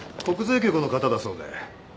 国税局の方だそうで。